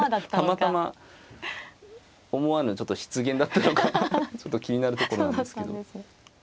たまたま思わぬ失言だったのかちょっと気になるところなんですけど。